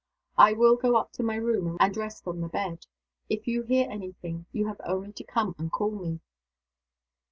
I will go up to my room, and rest on the bed. If you hear any thing you have only to come and call me."